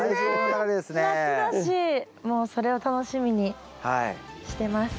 夏だしもうそれを楽しみにしてます。